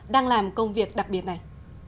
đang làm công việc đặc biệt này